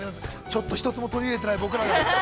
ちょっと一つも取り入れてない僕らが。